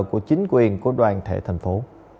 của chính quyền của đoàn thể thành phố